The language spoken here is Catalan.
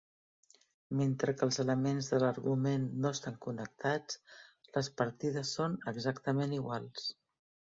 Mentre que els elements de l'argument no estan connectats, les partides són exactament iguals.